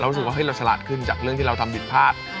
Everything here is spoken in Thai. รู้สึกว่าเราฉลาดขึ้นจากเรื่องที่เราทำผิดพลาด